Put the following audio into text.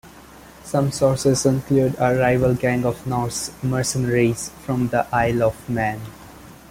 Some sources include a rival gang of Norse mercenaries from the Isle of Man.